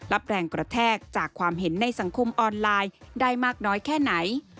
รับแรงกระแทกจากความเห็นในสังคมออนไลน์ได้มากน้อยแค่ไหน